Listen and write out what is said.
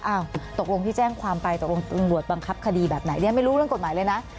ตกลงที่แจ้งความไปตกลงตำรวจบังคับคดีแบบไหนเรียนไม่รู้เรื่องกฎหมายเลยนะ